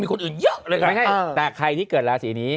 มีคนอื่นเยอะเลยครับแต่ใครที่เกิดราศีนี้